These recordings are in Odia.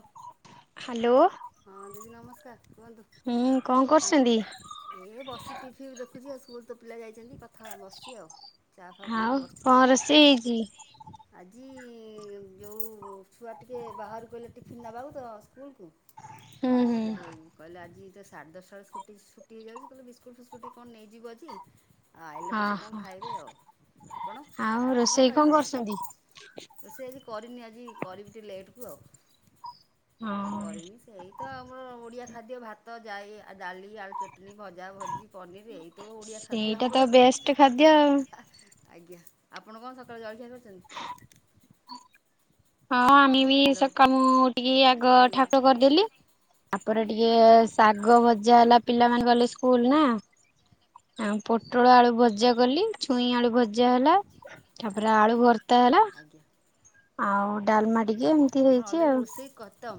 ଅଫ୍। ହ୍ୟାଲୋ। ହଁ ଦିଦି ନମସ୍କାର କୁହନ୍ତୁ ହୁଁ କଣ କରୁଛନ୍ତି? ଏ ବସି ଟିଫି ବି ଦେଖୁଛି ଆଉ ସ୍କୁଲ ତ ପିଲା ଯାଇଛନ୍ତି କଥା ବସି ଆଉ ଚା ଫା ଆଉ ପିଇକି ବସିନି କଣ ରୋଷେଇ ହେଇଛି? ଆ। ଆ ଯେଉଁ ଛୁଆ ଟିକି ବାହାରାରୁକୁ କହିଲେ ଟିଫିନ୍ ନେବାକୁ ତ ସ୍କୁଲକୁ। ତ ହୁଁ ହୁଁ ହେ କହିଲେ ଆଜି। ତ ସାଢ଼େ ଦଶଟ ବେଳେକୁ ଛୁ ଛୁଟି ହେଇଯାଉଛି କହିଲଲେ ବିସ୍କୁଟ ଫିସ୍କୁଟ୍ କଣ ନେଇଯିବ ଆଜି। ଆ ଆଇେ ପଛେ କଣ ଓହୋ ଖାଇବେ ଆଉ ଆପଣ ଆଉ ଆପଣ କଣ ରୋଷେଇ ଖାଇଚତି କରୁଛନ୍ତି? ସକାଳେ ତ ସେ କରିନି ଆ ଆଜି କରିବି ଟିକେ ଲେଟ୍ କୁ ଆଉ। ହଁ। ଏଇ ତ ଆମର ଓଡିଆ ଖାଦ୍ୟ ଭାତ ଯାଏ ଆ। ଡାଲି ଆଳୁ ଚଟଣି ଭଜା ଭଜି ପନିର ଏଇ ତ ଓଡ଼ିଆ ଖାଦ୍ୟ ସେଇଟା ତ ଆମର ଆଉ। ବେଷ୍ଟ ଖାଦ୍ୟ ଆଉ। ଆଜ୍ଞା ଆପଣ କଣ ସକାଳୁ ଜଳଖିଆ କରିଛନ୍ତି। ହଁ ହଁ ଆମେ ବି ହ୍ୟାଲୋ ମୁଁ ସକାଳୁ ଟିକେ ଆଗ କହିଲି ଆପ ଠାକୁର କରିଦେଲି ତାପରେ ଟିକେ ଶାଗ ଭଜା ଆଜ୍ଞା ହେଲା ପିଲା ମନେ ଗଲେ ସ୍କୁଲ। ନା। ପୋଟଳ ଆଳୁ ଭଜା ଆଜ୍ଞା କଲି ଛୁଇଁ ଆଳୁ ଭଜା ହେଲା ତାପରେ ଆଜ୍ଞା ଆଳୁ ଭର୍ତା ହେଲା। ଆଜ୍ଞା ଆଉ ଡାଲମା ଟିକେ ଏମିତି ହେଇଛି ଆଉ। ତ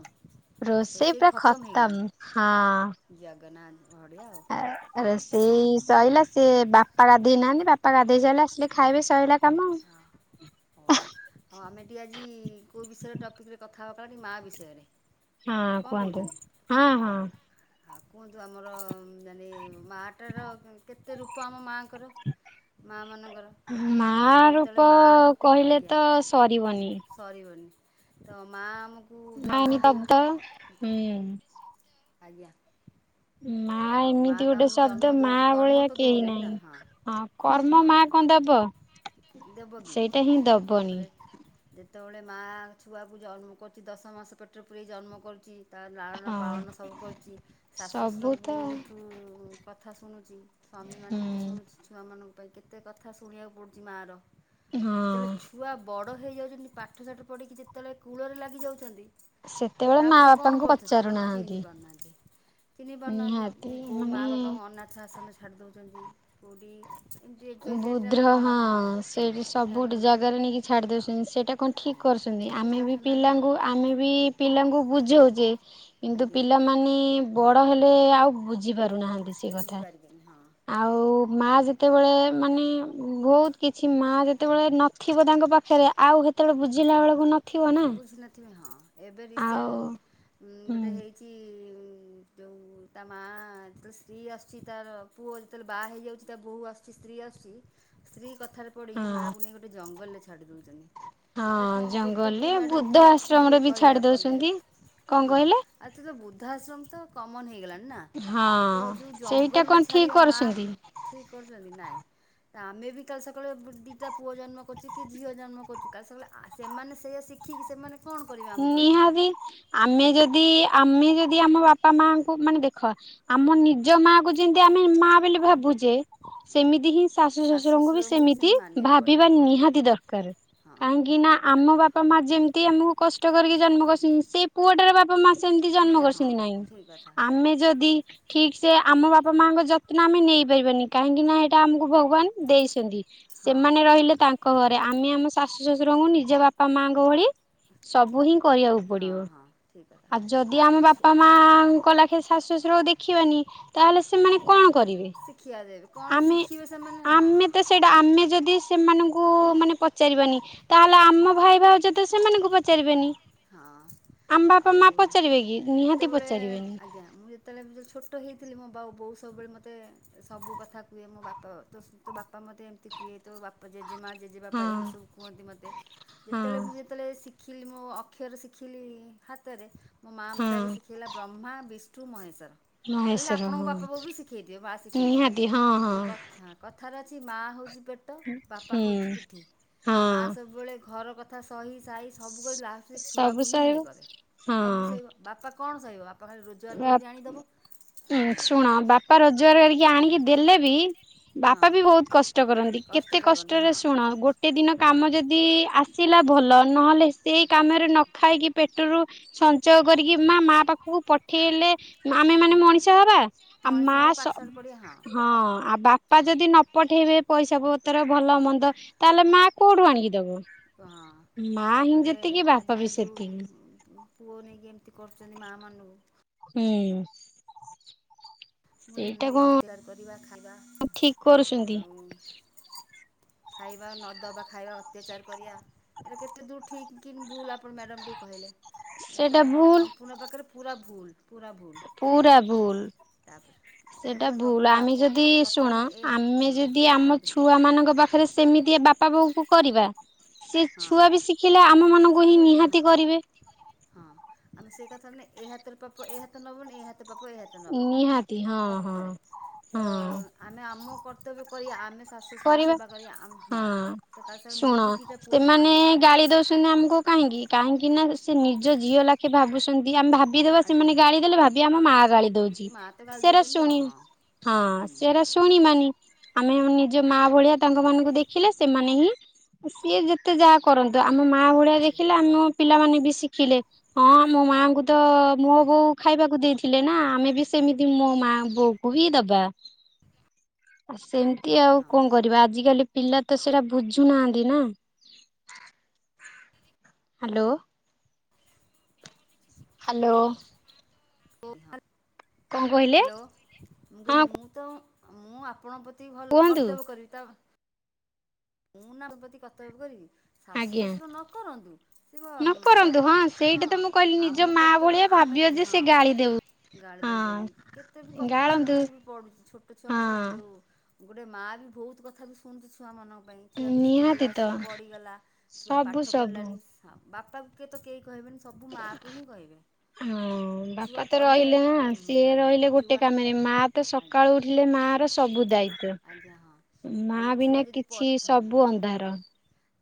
ରୋଷେଇ ପୁରା ଖତମ ହଁ। ଜଗନ୍ନାଥ ବଢ଼ିଆ ଆଉ ସେଇ ସରିଲା ସେ ବାପା। ବାପା ଗାଧେଇ ନାହାନ୍ତି ବାପା ଗାଧେଇ ସାରିଲେ ଆସିଲେ ଖାଇବେ ସଇଲା କାମ। ହଁ ହଉ ଆମେ ଟିକେ ଆଜି କୋଉ ବିଷୟରେ ଟପିକ ରେ କଥା ହବା ମା ବିଷୟରେ। ହଁ ନା କଣ କୁହନ୍ତୁ କହୁଛନ୍ତି? ହଁ ହଁ। ଆଉ କୁହନ୍ତୁ ଆମର ମାନେ ମାଟାର କେତେ ରୂପ ଆମ ମାଙ୍କର ମା ମାନଙ୍କର ମା ଆଉ ଯେତେବେଳେ ରୂପ ମା ଗୋଟେ କହିଲେ ଆଜ୍ଞା ତ ସରିବନି ସରିବନି। ତ ମା ଆମକୁ ଜନ୍ମ ଆଇନ ଦେଉଛି [unintelligible] ଆଜ୍ଞା। ମା ଆଉ ମାଆ ଏମିତି ତ ଗୋଟେ ଆମକୁ ଜନ୍ମ ଶବ୍ଦ ମା ଦେଉଛି ଭଳିଆ କର୍ମ ତ କେହି ଦେଉନାହିଁ ନା ନାହିଁ ହଁ କର୍ମ ହଁ ମା କଣ ଦବ ଦେବ କି ସେଇଟା ହିଁ ନାହିଁ ଦବନି। ତାପରେ ଯେତେବେଳେ ମାଆ ଛୁଆକୁ ଜନ୍ମ କରୁଛି ଦଶ ମାସ ପେଟରେ ପୁରେଇ କି ଜନ୍ମ କରୁଛି। ତା ନାଳନ ହଁ। ପାଳନ ସବୁ। କରୁଛି ଶାଶୁ ସବୁ ତ ଶ୍ୱଶୁରଙ୍କୁଠୁ କଥା ଶୁଣୁଛି ସ୍ୱାମୀ ହୁଁ ମାନଙ୍କଠୁ ଶୁଣୁଛି ଛୁଆମାନଙ୍କୁ କେତେ କଥା ଶୁଣିବାକୁ ପଡୁଛି ମାଆ ର। ହଁ। ଯେତେବେଳେ ଛୁଆ ବଡ ହେଇ ହେଇଯାଉଛନ୍ତି ପାଠ ଶାଠ ପଢ଼ିକି ଯେତେବେଳେ କୂଳରେ ଲାଗିଯାଉଛନ୍ତି। ସେତେବେଳେ ମା ତାପରେ ବାପାଙ୍କୁ ପଚାରୁନାହାନ୍ତି। ଚିହିଁ ପାରୁ ନାହାନ୍ତି ନିହାତି ନେ କେଉ ମା ମାନେ ବାପା ଙ୍କୁ ଅନାଥ ଚାସ ଆମେ ଛାଡ଼ି ଦେଉଛନ୍ତି କୋଉଠି? ବୁଧ୍ର ହଁ ହଁ ସେଇଠି ସବୁ ଛାଡ଼ି ଡି ଦେଉଛନ୍ତି ଜାଗାରେ ନେଇକି ଛାଡି ଆଉ ଦୋଉଚନ୍ତି। ସେଇଟା କଣ ଠିକ୍ ଆଜ୍ଞା କରୁଚନ୍ତି। ଠିକ୍ ଆମେ ବି କଥା ନାହିଁ ନା ପିଲାଙ୍କୁ ଆମେ ବି ପିଲାଙ୍କୁ ବୁଝୋଉଚେ। କିନ୍ତୁ ଆଜ୍ଞା ପିଲାମାନେ ବଡ ହେଲେ ଆଉ ବୁ ଝି ପାରୁନାହାନ୍ତି ସେ କଥା ବୁଝିପାରିବେନି ହଁ ଆଉ ମା ଯେତେବେଳେ ଆଉ ମାନେ ବହୁତ କିଛି ମା ଯେତେବେଳେ ନଥିବ ତାଙ୍କ ପାଖରେ ଆଉ ହେତେବେଳେ ବୁଝିଲା ବେଳକୁ ନ ବୁଝୁ ନଥିବେ ହଁ। ଏବେ ଆଉ ରିସେଣ୍ଟ ଉଁ ହୁଁ ଗୋଟେ ହେଇଚି [inaudible] ଯୋଉ ତା ମା ଯେତେବେଳେ ସ୍ତ୍ରୀ ଆସୁଚି ତାର ପୁଅ ଯେତେବେଳେ ବାହା ହେଇଯାଉଚି ତା ବୋହୂ ଆସୁଚି ସ୍ତ୍ରୀ ଆସୁଚି। ସ୍ତ୍ରୀ କଥାରେ ପଡିକି ହଁ ମାଆକୁ ନେଇ ଗୋଟ ଜଙ୍ଗଲ ଛାଡି ଦୋଉଚନ୍ତି। ହଁ ଜଙ୍ଗଲ ଏ ବୁଦ୍ଧା ଠିକ୍ କି ଆଶ୍ରମରେ ଭୁଲ ବି କହିଲେ ଛାଡି ଆପଣ ଦୋଉଚନ୍ତି। ଟିକେ କଣ ହଁ କହିଲେ? ଆଉ ତ ବୃଦ୍ଧାଶ୍ରମ ତ କମନ ହେଇଗଲାଣି। ନାଁ ହଁ ତ ଯୋଉ ସେଇଟା ଜଙ୍ଗଲରେ କଣ ଠିକ୍ ଛାଡିବା କରୁଛନ୍ତି ମାଆକୁ ଠିକ୍ କରୁଚନ୍ତି ନାଇଁ। ଆମେ ବି କାଲି ସକାଳେ ଦିଟା ପୁଅ ଜନ୍ମ କରିଚି କି ଝିଅ ଜନ୍ମ କରୁଛୁ କାଲି ସକାଳେ ସେମାନେ ସେଇଆ ଶିଖିକି ସେମାନେ କଣ କରିବେ ଆମ ପ୍ରତି ନିହାତି ଆମେ ହେଲା। ଯଦି ଆମେ ଯଦି ଆମ ବାପା ମା ମାନେ ଦେଖ ଆମ ନିଜ ମାଆକୁ ଯେମିତି ଆମେ ମା ବୋଲି ଭାବୁୁ ଯେ ସେମିତି ହିଁ ଶାଶୁ ଶଶୁରଙ୍କୁ ବି ଶ୍ୱଶୁରଙ୍କୁ ସେମିତି ମାନିବାକୁ ପଡ଼ିବ ଭାବିବା ହଁ ନିହାତି ଦରକାର, ହଁ। କାହିଁକି ନା ଆମ ବାପା ମା ଯେମିତି ଆମକୁ ନଷ୍ଟ କରିକି ଜନ୍ମ କରି ସେଇ ପୁଅଟାର ବାପା ମା ସେମତି ଜନ୍ମ ଆଜ୍ଞା ହଁ କରିଛନ୍ତି ନାହିଁ, ଠିକ୍ କଥା ଆମେ ଯଦି ଠିକ ସେ ଆମ ବାପା ମାଙ୍କ ଯ ଆମେ ନେଇପାରିବାନି କାହିଁକି ନା ଏଇଟା ଆମକୁ ଭଗବାନ ଦେଇଛନ୍ତି। ହଁ ସେମାନେ ରହିଲେ ତାଙ୍କ ଘରେ ଆମେ ଆମ ଶ ଶଶୁ ଶଶୁରଙ୍କୁ ନିଜ ବାପା ମାଆଙ୍କ ଭଳି ଦେଖିବା। ସବୁ ହିଁ କରିବାକୁ ହଁ ପଡିବ। ହଁ ଠିକ୍ କଥା ଆଉ ଯଦି ତାପରେ ଆମ ବାପା ମାଆଙ୍କ ଲାଖେ ଶାଶୁ ଶଶୁର ଦେଖିବାନି ତାହେଲେ ସେମାନେ କଣ କରିବେ, ଶିଖିବା ଦେବେ କଣ ଆମେ ଶିଖିବେ ସେମାନେ ହଁ। ଆମେ ତ ସେଇଟା ଆମେ ଯଦି ସେମାନଙ୍କୁ କୁ ମାନେ ପଚାରିବାନି, ତାହେଲେ ଆମ ଭାଇ ଭାଉଜ ତ ସେମାନଙ୍କୁ ପଚାରିବେନି। ହଁ। ବାପ ଆଉ ମା ପଚାରିବେ କି ନିହାତି ଯେତେବେଳେ ପଚାରିବେନି। ଆଜ୍ଞା ମୁଁ ଯେତେବେଳେ ଯେତେବେଳେ ଛୋଟ ହେଇଥିଲି ମୋ ବାଉ ବୋଉ ସବୁବେଳେ ମୋତେ ସବୁ କଥା କୁହେ, ମୋ ବାପା ତୋ ବାପା ମୋତେ ଏମିତି କୁହେ ବାପା ଜେମା ଜେଜେ ବାପା ଏମତି ହଁ ସବୁ କୁହନ୍ତି, ମୋତେ ହଁ ଯେତେବେଳେ ମୁଁ ଯେତେବେଳେ ଶ [unintelligible] କ୍ଷର ଶିଖିଲି ହାତରେ ମୋ ମାଆ ହଁ। ଆଗେ ଶିଖେଇଲା ବ୍ରହ୍ମା ବିଷ ମହେଶ୍ୱର। ହେ ମହେଶ୍ଵର ଆପଣଙ୍କ ହଁ ବାପା ବୋଉ ବି ଶିଖେଇଥିବେ ମା ଶିଖେଇଥିବେ ନିହାତି ହଁ ହଁ କଥାର ମାଆ ହଉଚି। ପେଟ ବାପା ହୁଁ ହେଉ ପିଠି ହଁ। ମା ସବୁବେଳେ ଘର କଥା ସହି ସାଇ ସବୁ କରି ଲାଷ୍ଟ ଆ ସବୁ ହିଁ ସହିବ ଇଏ କରେ। ସବୁ ସେଇ ବାପା କଣ ସହିବ? ବାପା ଖାଲି ରୋଜଗାର ବା କରିକି ଆଣିଦବ। ହୁଁ ଆଉ ଶୁଣ ବାପା ରୋଜଗାର କରିକି ଆଣିକି ଦେଲେ ବି। ବାପା ହଁ ବି ବହୁତ କଷ୍ଟ କରନ୍ତି। କଷ୍ଟ କେତେ କରନ୍ତି କଷ୍ଟରେ ହଁ ଶୁଣ ଗୋଟେ ଦିନ ହଁ କାମ ଯଦି ଆସିଲା ଭଲ ନହେଲେ ସେଇ କାମରେ ନ ଖାଇକି ପେଟ୍ରୋଲ ସଞ୍ଚୟ କରିକି ମା ମା ପାଖକୁ ପ ଏଠି ହେଲେ। ଆମେ ମାନେ ଆଜ୍ଞା। ମଣିଷ ହବା। ଆ ମଣିଷ ମା ହବା ପାଠଶାଠ ପଢ଼ିବା ହଁ ଆ ବାପା ହଁ ଯଦି ନ ପଠେଇବେ ପଇସା ପତ୍ର ଭଲ ମନ୍ଦ ତାହେଲେ ମା କୋଉଠୁ ଆଣିକି ଦବ? ହଁ ମା ହିଁ ତାପରେ ଯେତିକି ବାପା ବି ଆଜିିକାଲି ସେତିକି ଯୋଉ ପୁଅ ନେଇକି ଏମିତି କରୁଛନ୍ତି ମାଆ ମାନଙ୍କୁ। ହୁଁ। ମୋର ସେଇଟା କି କଣ ଅକ୍ତିଆର କରିବା। ବା ଠିକ କରୁଛନ୍ତି ଆଉ ଖାଇବା ନଦବା ଖାଇବା ଅତ୍ୟାଚାର କରିବା ଏଇଟା କେତେ ଦୂର ଠିକ କି ଭୁଲ ଆପଣ ମ୍ୟାଡ଼ାମ ଟିକେ କହିଲେ ତ ସେଇଟା ଭୁଲ ସମ୍ପୂର୍ଣ୍ଣ ପାଖରେ ପୁରା ଭୁଲ୍। ପୁରା ଭୁଲ୍ ପୁରା ହେଲା ଭୁଲ୍। ତାପରେ ଏଇଟା ସେଟା ପୁରା ଭୁଲ୍ ସବୁଠୁ ଆମେ ପାପ ଏ ଯଦି କଥା ଶୁଣ ନୁହେଁ ଏ ହଁ ଆମେ ଯଦି ହଁ ଆମ କୁହନ୍ତୁ ଛୁଆ ମାନଙ୍କ ପାଖରେ ସେମିତି ବାପା ବୋଉ ହୁଁ କରିବା। ସେ ହଁ ଛୁଆ ବି ଶିଖିଲେ ଆମ ମାନଙ୍କୁ ହିଁ ଶିଖିବେ ସେ ହଁ ନିହାତି କରିବେ। ହଁ ଆମେ ସେଇ କଥାାରେ ଏ ହାତର ପାପ ଏ ହାତ ନବନି ଏହାତ ଏ ହାତ ପାପ ଏ ହାତ ନବନି ନିହାତି ହଁ ହଁ କଥାରେ ତ ହଁ ଆମେ ଆମ କର୍ତ୍ତବ୍ୟ କରି ଆମେ ଶାଶୁ ଶଶୁରଙ୍କ ସେବା କରିବା ହଁ ତ ଖାସ୍ କରି ଶୁଣ ମୁଁ ବି ଦିଟା ସେମାନେ ଗାଳି ଦଉଛନ୍ତି ଆମକୁ କାହିଁକି କାହିଁକି ନା ସେ ନିଜ ଝିଅ ଲାଖେ ଭାବୁଛନ୍ତି। ଆମେ ଭାବିଦବା ଆଜ୍ଞା ସେମାନେ ହଁ ଗାଳି ଦେଲେ ଭାବିବା ଆମ ମା ଗାଳି ଦଉଛି ମା ତ ଗାଳି ସେଟା ଦଉଛନ୍ତି ଆଉ ଶୁଣି ହଁ ହଁ ହୁଁ ସେଟା ଶୁଣିବାନି ମାନେ ହଁ ଆମେ ମା ଭଳିଆ ତାଙ୍କ ମାନଙ୍କୁ ଦେଖିଲେ ସେମାନେ ହିଁ ସିଏ ଯେତେ ଯାହା କରନ୍ତୁ। ଆମେ ମାଆ ଭଳିଆ ଦେଖିଲେ ଆମେ ପିଲାମାନେ ବି ଶିଖିଲେ ହଁ ମୋ ମାଙ୍କୁ ତ ମୋ ବୋଉ ଖାଇବାକୁ ଦେଇଥିଲେ ନା ଆମେ ବି ସେମିତି ମୋ ମା ବୋଉକୁ ହିଁ ଦବା ଆ ସେମିତି ଆଉ। ହଁ କଣ କରିବା ଆଜିକାଲି ପିଲା ତ ସେଟା ବୁଝୁନାହାନ୍ତି ନା ହ୍ୟାଲୋ। ହ୍ୟାଲୋ। ଓ। ହେଲୋ ମୁଁ ହଁ କହିଲି ମୁଁ ତ। ମୁଁ ଆପଣଙ୍କ ପ୍ର ଏତିକ ଭଲ କୁହନ୍ତୁ କର୍ତ୍ତବ୍ୟ କରିବି ତ ମୁଁ ନା ତମ ପ୍ରତି କର୍ତ୍ତବ୍ୟ କରିବି। ଶାଶୁ ଆଜ୍ଞା। ଶାଶୁର ନ କରନ୍ତୁ ସେ ନ କରନ୍ତୁ ହଁ ସେଇଟା ତ ମୁଁ କହିଲି ନିଜ ଆମ ମା କର୍ତ୍ତବ୍ୟ ଭଳିଆ ଆମେ ଭାବିବ ହଁ ଯେ ସେ ଗାଳି ଦଉ। ହଁ ଗାଳି ହଁ ଦଉଛନ୍ତି କେତେ ବି କଥା ଗାଳନ୍ତୁ ଶୁଣିବାକୁ ବି ପଡୁଛି ଛୋଟ ହଁ ଛୁଆଙ୍କ ସହ ଯୋଉ। ଗୋଟେ ମାଆ ବି ବହୁତ କଥା ବି ଶୁଣୁଛି ଛୁଆମାନଙ୍କ। ପାଇଁ ଛୁଆ ଦୁଷ୍ଟ ନିହାତି ହେଲା ତ ଛୁଆ ପଡ଼ିଗଲା ଛୁଆ ସବୁ ପାଠ ସବୁ। ପଢ଼ିଲାନି। ବାପା କୁ ତ କେହି କହିବେନି। ସବୁ ମାଆକୁ ହିଁ କହିବେ ହଁ ହେଲା ଛୁଆ ବାପା ତ ପରୀକ୍ଷାରେ ରହିଲେ ନା ସିଏ ଆଜ୍ଞା ରହିଲେ ଗୋଟେ ଛୁଆ କାମରେ ମା ତ ଆଜ୍ଞା ସକାଳୁ ଉଠିଲେ ମା ହଁ ର ସବୁ ଆଜ୍ଞା ହଁ ଦାୟିତ୍ଵ ମା ଆଉ ଛୁଆ ବିନା ଯଦି କି ପର ଅଛି ହଁ ସବୁ ହଁ ଅନ୍ଧାର।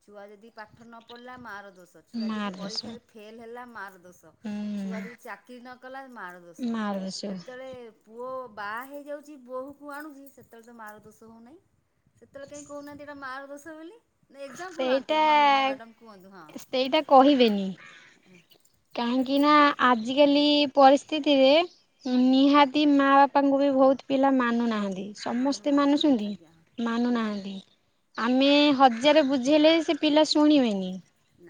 ଛୁଆ ଯଦି ପାଠ ନ ପଢିଲା ମା ର। ଛୁଆ ଯଦି ମାର ପରୀକ୍ଷାରେ ସବୁ ଫେଲ ହେଲା। ମାର୍କ୍। ଦୋଷ ଛୁଆ ଯଦି ହୁଁ ଚାକିରି ନ କଲା ମାର ଦୋଷ ମାର ସବୁ ଯେତେବେଳେ ପୁଅ। ବାହା ହେଇଯାଉଛି ବୋହକୁ ଆଣୁଛି ସେତେବେଳେ ତ ମାର ଦୋଷ ହେଉନାହିଁ। ସେତଲେ କାଇଁ। ସେଟା ମାର ଦୋଷ ବୋଲି। ନା ଏକ୍ଜାମ୍ପଲ୍ ଆଣ୍ଟି ସେଇଟା ମ୍ୟାଡ଼ାମ୍ କୁହନ୍ତୁ ହଁ ସେଇଟା କହିବେନି ହେଲା କାହିଁକି ନା ଆଜିକାଲି ଆଜ୍ଞା ପରିସ୍ଥିତି। ତିରେ। ଆଜ୍ଞା ନିହାତି ମା ବାପା। ବାପାଙ୍କୁ ବି ବହୁତ ପିଲା ମାନୁନାହାନ୍ତି। ସମସ୍ତେ ମାନୁନାହାନ୍ତି ମାନୁଛନ୍ତି ଆଜ୍ଞା ହଁ ନାଇଁ ମାନୁନାହାନ୍ତି ହେଲା ଆମେ ହଜ ରେ ବୁଝେଇଲେ ସେ ପିଲା ଶୁଣିବେନି।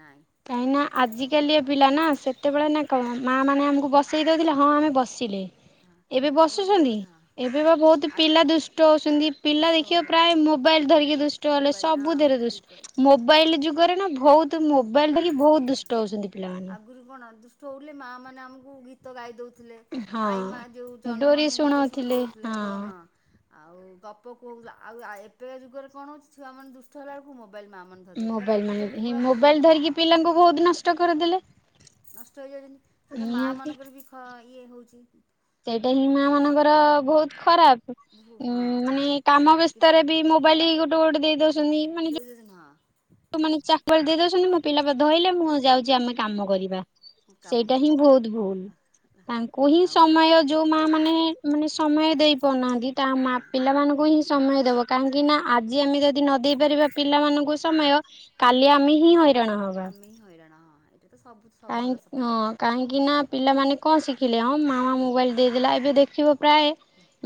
ନାଇଁ ନା ଆଜିକାଲି ଏ ପିଲା ନା ସେତେବେଳେ ନା କଣ ମା ମାନେ ଆମକୁ ବସେଇ ଦୋଉଥିଲେ ହଁ ଆମେ ବସିଲେ। ହଁ ଏବେ ଆଉ ବସୁଚନ୍ତି ଆଜିକାଲି ହଁ ଏବେ ବା ବୋହୁତ ହଁ ପିଲା ଦୁଷ୍ଟ ହୋଉଚନ୍ତି ପିଲା ଦୁଷ୍ଟ ଦେଖିବା ପ୍ରାୟ ହେଉଛନ୍ତି ମୋବାଇଲ ଧରିକି ଦୁଷ୍ଟ ହେଲେ ମୋବାଇଲ ହଁ ସବୁଥିରେ ଦୁ ଠିକ୍ କହିଲେ ହଁ ମୋବାଇଲ ଯୁଗରେ ନା ଭୋହୁତ୍ ତ ମୋବାଇଲ ଧରି ବୋହୁତ ଦୁଷ୍ଟ ହୋଉଛନ୍ତି ପିଲାମାନେ। ଆଗରୁ କଣ ଦୁଷ୍ଟ ହୋଉଥିଲେ ମା ମାନେ ଆମକୁ ଗୀତ ଗାଇ ଦୋଉ ଲେ ଆଈ ମା ଯୋଉ ହଁ ଜନ୍ହ ଡୋରି ମାମୁ ଗୀତ ଶୁଣି ଶୁଣଉଥିଲେ ଦୋଉଥିଲେ ଲୋ ହଁ। ଆଉ ଗପ କୋହୁ ଆଉ ଆ ଏବେକା ଯୁଗରେ କଣ ହୋଉଚି ଛୁଆମାନେ ଦୁଷ୍ଟ ହେଲା ବେଳକୁ ମୋଵ୍ ମୋବାଇଲ ମାମାନେ ଧର୍ ଦେବେ ଏଟା ମୋବାଇଲ ପ୍ରକୃତରେ ମାନେ ପୁରା ଭୁଲ ମୋବାଇଲ ପୁରା ଧରିକି ପିଲାଙ୍କୁ ବୋହୁତ ନଷ୍ଟ କରିଦେଲେ। ନଷ୍ଟ ହେଇଯାଉଛନ୍ତି। ସେଇଟା ମା ନିହାତି। ମାନଙ୍କର ବି ଖ ଇଏ ହଉଛି ସେଇଟା ହିଁ ମା ମାନଙ୍କର ବହୁତ ଖରାପ ହଁ ଉଁ ମାନେ କାମ କିନ୍ତୁ ବ୍ୟସ୍ତରେ ବି ମୋବାଇଲି ଗୋଟେ ଗୋଟେ ଦେଇ ଦଉ ଯୋଉ ନି ମାନେ ଦେଇଦେଉଛନ୍ତି ହଁ ତୁମ ମାନେ [unintelligible] ଆଣି ଦେଇ ଦଉଛନ୍ତି। ମୋ ପିଲା ପା ଧୋଇଲେ ମୁଁ ଯାଉଛି ଆମେ କାମ କରିବା। ମୁଁ କାମ ସେଇଟା ହିଁ କରିବୁ ଭୋଉତ୍ ଭୁଲ୍ ତାଙ୍କୁ ହିଁ ଆଉ ସମୟ ଯୋଉ ମାମାନେ ମାନେ ସମୟ ଦେଇ ପାରୁନାହାଁ ରି ତା ମା ହଁ ପିଲାମାନୁଙ୍କୁ ହିଁ ସମୟ ଦେବ କାହିଁକି ନାଁ ଆଜି ଆମେ ଯଦି ନ ଦେଇପାରିବା ପିଲାମାନୁଙ୍କୁ ସମୟ [inaudible] କାଲି ଆଜ୍ଞା ଆମେ ହିଁ ହଇରାଣ ହବା। ଆମେ ହିଁ ହଇରାଣ ହଁ ଏଇଟା ତ ସବୁ କାହିଁ ଭଲ ସତ କଥା। ହଁ କାହିଁକିନା ହଁ ପିଲାମାନେ କଣ ଶିଖିଲେ? ହଁ ମାମା ମୋବାଇଲ ଦେଇଦେଲା ଏବେ ଦେଖିବ ପ୍ରାଏ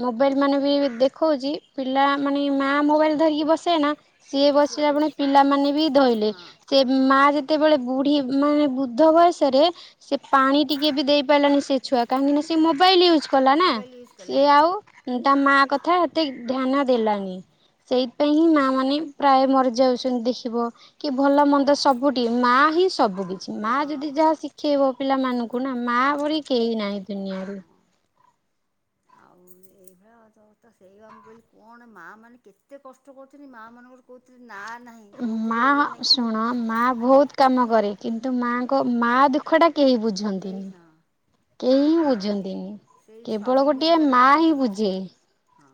ମୋବାଇଲ୍ ମାନେ ବି ଏବେ ଦେଖୋଉଚି ପିଲା ମାନେ ଆଜ୍ଞା ମାଆ ମୋବାଇଲ୍ ଧରିକି ବସେନା ସିଏ ଛୁଆ ବସିଲା ବି ପୁଣି ବସୁ ପିଲାମାନେ ବି ଧୋଇଲେ, ହଁ ସେ ମା ହଁ ଯେତେବେଳେ ବୁଢୀ ମାନେ ବୁଦ୍ଧ ବୟସରେ ସେ ପାଣି ଟିକେ ବି ଦେଇ ପାଇଲାନି ସେ ଛୁଆ କାହିଁକି ନାଁ ସେ ମୋବାଇଲ୍ ୟୁ ଛ୍ କଲା ନାଁ ମୋବାଇଲ୍ ୟୁଜ୍ କଲେ ସିଏ ହଁ ଆଉ ତା ମା କ ଥା ହେତେ ଧ୍ୟାନ ଦେଲାନି ସେଇଥିପାଇଁ ହିଁ ମାମାନେ ପ୍ରାୟ ମରିଯାଉଚନ୍ତି ଦେଖିବ। କି ଭଲ ମନ୍ଦ ସବୁଠି ମା ହିଁ ସବୁ ବି ଚି ମା ହଁ ଯଦି ହଁ ଯାହା ଶିଖେଇବ ପିଲାମାନଙ୍କୁ ହଁ ନାଁ ମା ଭରି କେହି ଆଜ୍ଞା ନାହିଁ ଦୁନିଆରେ। ହଁ। ଆଉ ଏଇ ଭଳିଆ ତ ତ ସେଇବା ମୁଁ କହିଲି କଣ ମାମାନେ କେତେ କଷ୍ଟ କରୁଚନ୍ତି ମା ମାନଙ୍କର କୋଉଥିରେ ଉଁ ମା ଶୁଣ ମା ଆଜ୍ଞା ଭୋଉତ୍ କାମ କରେ କିନ୍ତୁ ହଁ ମାଙ୍କ ମା ଦୁଃଖଟା କେହି କେହି ବୁଝନ୍ତିନି ହଁ କେହିି ମା ବୁଝନ୍ତିନି ସେଇ କେ ବଳ ସ୍ୱାମୀ ଗୋଟିଏ ମା ବୁଝିପାରନ୍ତିନି ହିଁ ହଁ ବୁଝେ। ହଁ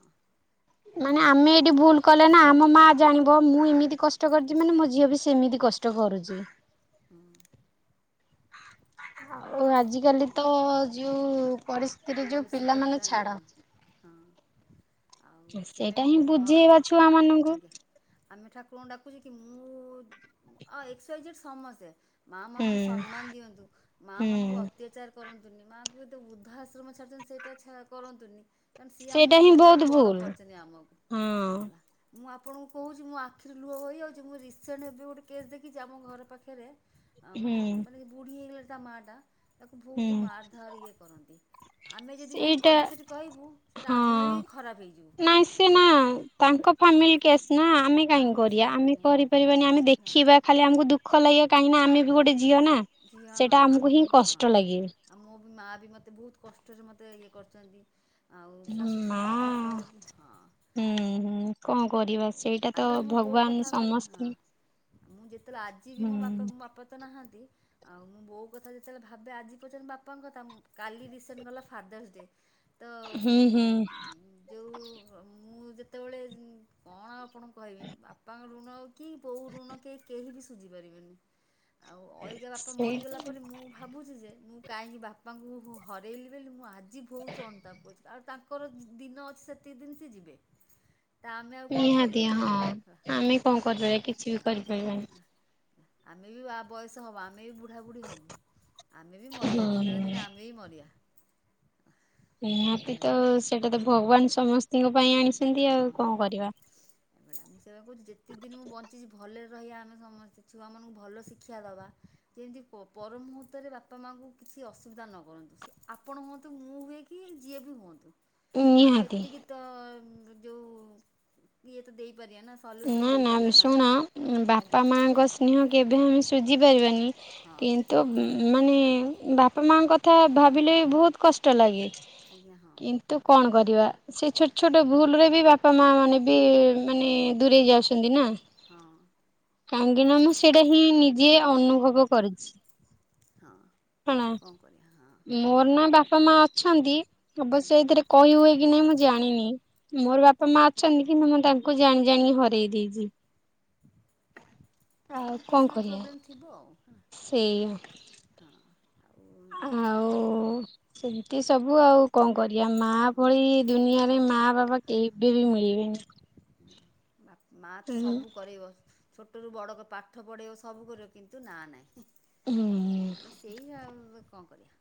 ମାନେ ଆଉ ଆମେ ଏଇଠି ହୁଁ ଭୁଲ କଲେ ନାଁ ଆମ ମା ଜାଣି ବ ମୁଁ ଏମିତି କଷ୍ଟ କରୁଚି ମାନେ ମୋ ଝିଅ ବି ସେମିତି କଷ୍ଟ କରୁଚି। ଆଉ ଆଜିକାଲି ତ ଯୋଉ ପରିସ୍ଥିତିରେ ଯୋଉ ପରିସ୍ଥିତି ପିଲାମାନେ ହେଲାଣି ଛାଡ଼। ହଁ ହଁ। ଆଉ ସେଇପାଇଁ ସେଇଟା ହିଁ ମୁଁ ଭ ବୁଝେଇବା ଛୁଆ ଠାକୁରଙ୍କୁ ମାନଙ୍କୁ। ଆଜ୍ଞା ଆମେ ଠାକୁରଙ୍କୁ ଡାକୁଚି କି ମୁଁ ଅ ଏକ୍ସ ୱାଇ ଯେଡ୍ ସମସ୍ତେ। ମା ହୁଁ ମାନଙ୍କୁ ସମ୍ମାନ ଦିଅନ୍ତୁ ମା ମାନଙ୍କୁ ହୁଁ। ଅତ୍ୟାଚାର ପରନ୍ତୁ ନ୍ତୁନି ମାଙ୍କୁ ଏତେ ବୃଦ୍ଧ ଆଶ୍ରମ ଛାଡୁଚନ୍ତି ସେଇଟା କରନ୍ତୁନି। କାରଣ ସିଏ ସେଇଟା ଆମକୁ ହିଁ ଛୋଟରୁୁ ବହୁତ ବଡ ଭୁଲ। କରିଚନ୍ତି ଆମକୁ ହଁ ହେଲା। ମୁଁ ଆପଣଙ୍କୁ କହୁଚି ମୋ ଆଖିରୁ ଲୁହ ବହି ଆଉଛି ମୁଁ ରିସେଣ୍ଟ ଏବେ ଗୋଟେ କେସ୍ ଦେଖିଚି ଆମ ଘର ପାଖରେ ଆ ହୁଁ ମାନେ ମାନେ ବୁଢୀ ହେଇଗଲା ତା ମାଟା ତାକୁ ହୁଁ ତୁ ମାର ଧର ଇଏ କରନ୍ତି। ଆମେ ଯଦି ଯାଇ ସେଇଟା ପଦେ ସେଠି କହିବୁ ସେଇଟା ହଁ ଆମେ ବି ଖରାପ ହେଇଯିବୁ। ନାଇଁ ସେ ହେ ନା ତାଙ୍କ ଫାମିଲି କେସ୍ ନା ଆମେ କାହିଁକି କିଛି କରିବା ଆମେ କହିପାରିବାନି କରିପାରିବାନି ଆମେ ହେଲା ଦେଖିବା ଖାଲି ଆମକୁ ଦୁଃଖ ଲାଗିବା କାହିଁକି ନା ଆମେ ହଁ। ବି ଗୋଟେ ଝିଅ ନା ଝିଅ ହଁ ସେଇଟା ଆମେ ଆମକୁ ହିଁ ମୁଁ ହଁ। କଷ୍ଟ ଲାଗିବ। ଆଉ ମୁଁ ବି ମା ବି ମତେ ବହୁତ କଷ୍ଟରେ ମତେ ଇଏ କରୁଚନ୍ତି। ଆଉ ଶାଶୁଶଙ୍କ ମା କଥା ସହକି ହଁ ହୁଁ ଆ ହୁଁ କଣ କରିବା ସେଇଟା ତ ଭଗବାନ ଭାବି ହଁ ସମସ୍ତେ ମୁଁ ଯେତ ତାହଲେ ଆଜି ବି ହୁଁ ମୋ ବାପା ମୋ ବାପା ତ ନାହାଁନ୍ତି। ଆଉ ମୁଁ ବୋଉ କଥା ଯେତେବେଳେ ଭା ଆଜି ପର୍ଯ୍ୟନ୍ତ ବାପାଙ୍କ କାଲି ରଣ୍ ଗଲା ଫାଦସ ଡେ ତ ହୁଁ ହୁଁ। ଯେଉଁ ମୁଁ ଯେତେବେଳେ ଉଁ କଣ ଆପଣ କହିବେ ବାପାଙ୍କ ଋଣ କି ବୋଉ ଋଣ କେ କେହି ବି ସୁଝି ପାରିବେନି। ଆଉ ଅଇଗା ବାପା ସେଇ ମରିଗଲା ପରେ ମୁଁ ଭାବୁଛି ଯେ ମୁଁ କାହିଁକି ବାପାଙ୍କୁ ହରାଇଲି ବୋଲି ମୁଁ ଆଜି ବହୁତ ଅନୁତାପ କରଛି ଆଉ ତାଙ୍କର ଦିନ ଅଛି ସେତିକ ଦିନ ସେ ଯିବେ। ତା ଆମେ ଆଉ କଣ ନିହାତି କରିପାରିବା ହଁ ହେଲା ଆମେ କଣ ଆଉ କରିପାରିବା କିଛି ବି ହେଲା ହେଲା କରିପାରିବାନି। ଆମେ ବି ବା ବୟସ ହବା ଆମେ ବି ବୁଢାାବୁଢି ହବ ଆମେ ବି ମରିିବା ଦିନେ ହୁଁ ନା ହୁଁ। ଦିନେ ଆମେ ବି ମରିିବା। ନିହାତି ତ କଥା ସେଇଟା ତ ଭଗବାନ ସମସ୍ତ ପାଇଁ ଆଣିଛନ୍ତି ଆଉ ହଁ କଣ କରିବା। ଏଭଳିଆ ମୁଁ ସେୟା କହୁଛି ଯେତିକି ଦିନ ମୁଁ ବଞ୍ଚିଛି ଭଲରେ ରହିବା ଆମେ ସମସ୍ତେ ଛୁଆମାନଙ୍କୁ ଭଲ ଶିକ୍ଷା ଦେବା ଯେମିତି ପର ମୁହୂର୍ତ୍ତରେ ବାପା ମାଆଙ୍କୁ କିଛି ଅସୁବିଧା ନ କରନ୍ତୁ ସେ ଆପଣ ହୁଅନ୍ତୁ ମୁଁ ହୁଏ କି ଯିଏ ବି ହୁଅନ୍ତୁ। ଆମେ ନିହାତି। ଏତିକି ତ ଯୋଉ ଇଏ ତ ଦେଇ ନା ନା ଶୁଣ ଆଜ୍ଞା ବାପା ମାଙ୍କ ସ୍ନେହ କେବେ ଆମେ ଶଝିପାରିବାନି ହଁ କିନ୍ତୁ ମାନେ ବାପା ମାଙ୍କ କଥା ଭାବିଲେ ବହୁତ କଷ୍ଟ ଲାଗେ। ଆଜ୍ଞା ହଁ କିନ୍ତୁ କଣ? କରିବା ସେ ଛୋଟ ଛୋଟ ଭୁଲରେ ବି ବାପା ମା ମାନେ ବି ମାନେ ଦୂରେଇ ଯାଉଛନ୍ତି ନା। ହଁ କାହିଁକିନା ଆମ ସେଟା ହିଁ ନି ଯିଏ ଅନୁଭବ କରୁଛି। ହଁ ଆଉ କଣ କରିବା ହଁ। ମୋର ନ ବାପା ମା ଅଛନ୍ତି। ଅବଶ୍ୟ ଆଜ୍ଞା ଏଇଥିରେ କହି ହୁଏନା କି ନାଇଁ ମୁଁ ଜା ଜାଣିନି ମୋର ବାପା ମା ଅଛନ୍ତି କିନ୍ତୁ ମୁଁ ତାଙ୍କୁ ଜାଣି ଜାଣି ହରାଇ ଦେଇଚି। ପର୍ସନାଲ ପ୍ରୋବ୍ଲେମ ଥିବ ଆଉ। ସେଇଆ। ହଁ ଆଉ ଏଇଭଳିଆ ଆଉ କଥା ଆଉ ସେମିତି ସବୁ ଆଉ କଣ କରିବା ମା ଭଳି ଦୁନିଆରେ ମା ବାପା କେବେ ବି ମିଳିବେନି। ମା ସବୁ କରିବ। ଛୋଟରୁ ବଡ଼କ ପାଠ ପଢ଼ିବ ସବୁ କରିବ କିନ୍ତୁ ନାଁ ନାହିଁ ହୁଁ। ଆଡ ସେଇୟା ଆଉ। କଣ କରିବା।